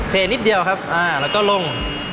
นิดเดียวครับแล้วก็ลง